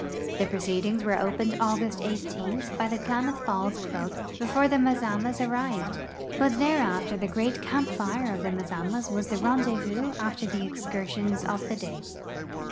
The proceedings were opened August IS by the Klamath Falls club before the Mazamas arrived, but thereafter the great camp tire of the Mazamas wa.s the rendezvous after the excursions of the day.